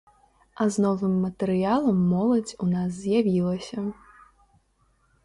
А з новым матэрыялам моладзь у нас з'явілася.